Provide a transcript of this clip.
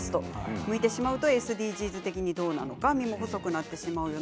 むいてしまうとＳＤＧｓ的にどうなのか実も細くなってしまうような。